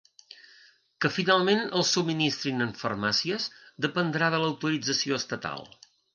Que finalment els subministrin les farmàcies dependrà de l’autorització estatal.